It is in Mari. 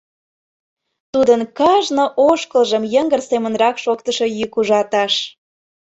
Тудын кажне ошкылжым йыҥгыр семынрак шоктышо йӱк ужатыш.